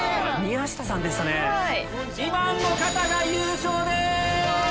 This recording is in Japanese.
２番の方が優勝です！